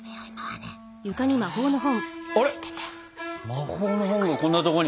魔法の本がこんなとこに。